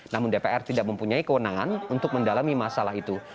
namun dpr tidak mempunyai kewenangan untuk mendalami masalah itu